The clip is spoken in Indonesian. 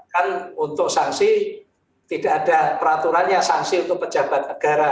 kan untuk sanksi tidak ada peraturannya sanksi untuk pejabat negara